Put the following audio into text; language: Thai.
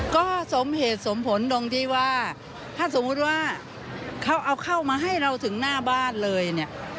ก็สมเหตุสมผลตรงที่ว่าถ้าสมมุติว่าเขาเอาเข้ามาให้เราถึงหน้าบ้านเลยเนี่ย